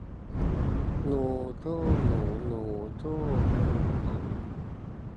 งูสู้หนูหนูสู้ งูอยู่